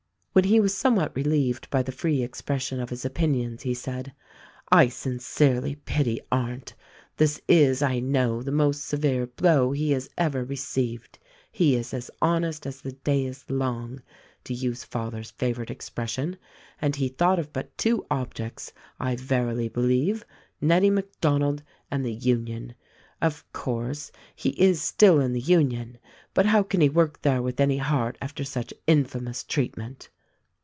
When he was somewhat relieved by the free expression of his opinions he said. "I sincerely pity Arndt. This is, I know, the most severe blow he has ever received. He is as honest as the day is long — to use father's favorite ex pression, — and he thought of but two objects, I verily be lieve; Nettie MacDonald and the Union. Of course, he is still in the Union; hut how can he work there with any heart after such infamous treatment."